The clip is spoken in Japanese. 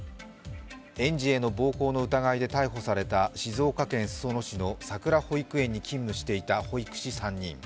園児への暴行の疑いで逮捕された静岡県裾野市のさくら保育園に勤務していた保育士３人。